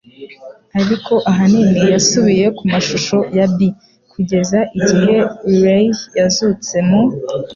Ariko ahanini yasubiye ku mashusho ya B kugeza igihe Riley yazutse mu